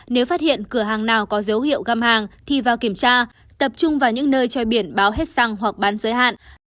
nếu phát hiện cửa hàng nào có dấu hiệu găm hàng thì vào kiểm tra tập trung vào những nơi che biển báo hết xăng hoặc bán giới hạn